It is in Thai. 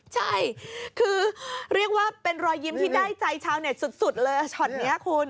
ใช่คือเรียกว่าเป็นรอยยิ้มที่ได้ใจชาวเน็ตสุดเลยช็อตนี้คุณ